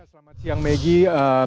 selamat siang maggie